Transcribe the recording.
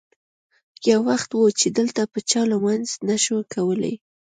یو وخت و چې دلته به چا لمونځ نه شو کولی.